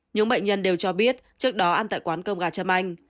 những bệnh nhân đều cho biết trước đó ăn tại quán cơm gà châm anh